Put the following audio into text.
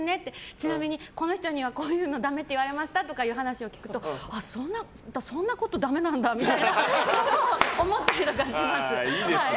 ちなみに、この人にはこういうのだめって言われましたっていう話を聞くとそんなこと、だめなんだみたいな思ったりします。